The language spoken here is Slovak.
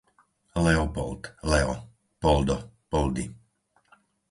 Leopold, Leo, Poldo, Poldi